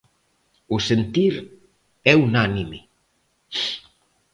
O sentir é unánime.